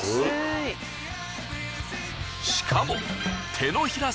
しかも。